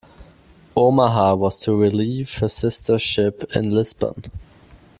"Omaha" was to relieve her sister ship in Lisbon.